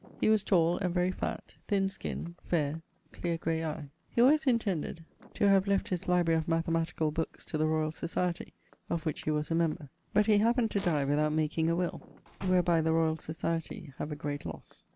He was tall and very fat, thin skin, faire, cleare grey eie. He alwayes intended to have left his library of mathematicall bookes to the Royall Societie, of which he was a member; but he happened to dye without making a will, wherby the Royal Societie have a great losse.